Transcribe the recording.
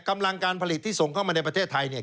การผลิตที่ส่งเข้ามาในประเทศไทยเนี่ย